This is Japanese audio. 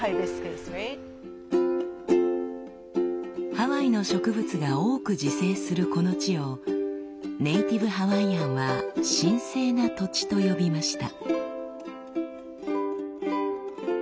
ハワイの植物が多く自生するこの地をネイティブハワイアンは「神聖な土地」と呼びました。